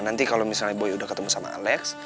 nanti kalau misalnya boy udah ketemu sama alex